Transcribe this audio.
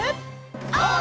オー！